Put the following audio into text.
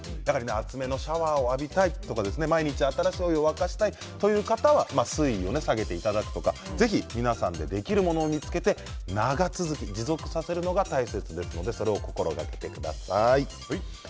熱めのシャワーを浴びたいとか毎日新しいお湯を沸かしたいという方は水位を下げていただくとか皆さんでできるものを見つけて長続き、持続させるのが大切ですので心がけてください。